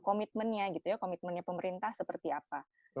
komitmennya gitu ya komitmennya pemerintah seperti apa